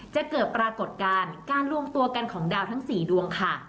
จะเกิดปรากฏการณ์การรวมตัวกันของดาวทั้ง๔ดวงค่ะ